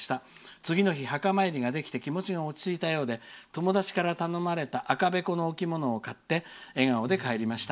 次の日墓参りができて気持ちが落ち着いたようで友達から頼まれた赤べこの置物を買って笑顔で帰りました。